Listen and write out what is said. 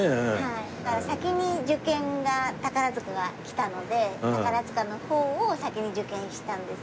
先に受験が宝塚が来たので宝塚の方を先に受験したんですけど。